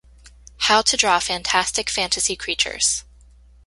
How To Draw Fantastic Fantasy Creatures.